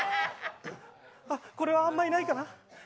あ、これはあんまりないかな